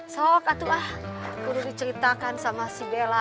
sok atuh ah perlu diceritakan sama si bella